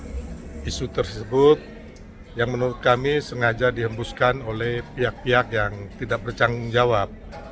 ada isu tersebut yang menurut kami sengaja dihembuskan oleh pihak pihak yang tidak bertanggung jawab